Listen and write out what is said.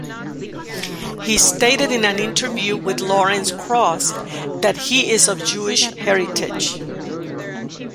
He stated in an interview with Lawrence Krauss that he is of Jewish heritage.